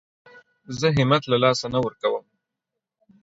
زه همت له لاسه نه ورکوم.